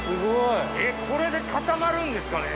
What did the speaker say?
えっこれで固まるんですかね？